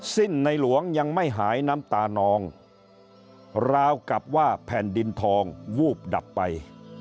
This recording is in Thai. สิ้นในหลวงยังไม่หายน้ำตานองราวกับว่าแผ่นดินทองวูบดับไป